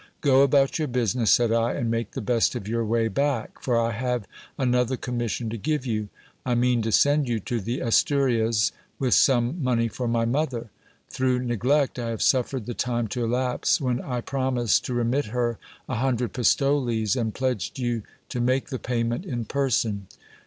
Go about your business, said I, and make the best of your way back ; for I have an other commission to give you. I mean to send you to the Asturias with some money for my mother. Through neglect I have suffered the time to elapse when I promised to remit her a hundred pistoles, and pledged you to make the payment in person.